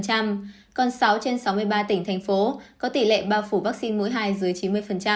còn sáu trên sáu mươi ba tỉnh thành phố có tỷ lệ bao phủ vaccine mỗi hai dưới chín mươi